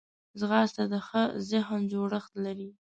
ځغاسته د ښه ذهن جوړښت لري